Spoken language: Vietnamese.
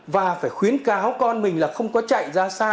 và phải khuyến cáo con mình là không có chạy ra xa